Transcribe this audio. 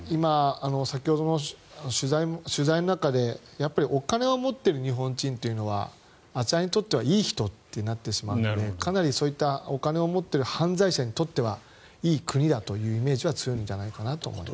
先ほどの取材の中でお金を持っている日本人はあちらにとってはいい人となってしまうのでかなりそういったお金を持っている犯罪者にとってはいい国だという印象が強いんじゃないかなと思います。